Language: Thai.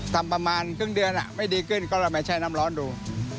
ทำประมาณครึ่งเดือนไม่ดีขึ้นก็เลยมาแช่น้ำร้อนดู